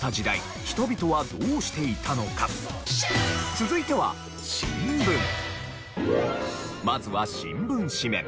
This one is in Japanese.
続いてはまずは新聞紙面。